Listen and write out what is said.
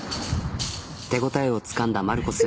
手応えをつかんだマルコス。